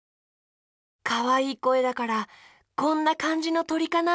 かわいいこえだからこんなかんじのとりかな？